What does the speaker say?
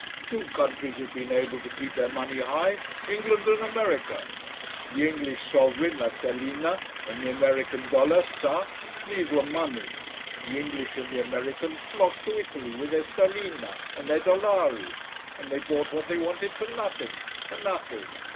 Two countries had been able to keep their money high England and America. The English sovereign la sterlina and the American dollar sa, these were money. The English and the Americans flocked to Italy, with their sterline and their dollari, and they bought what they wanted for nothing, for nothing.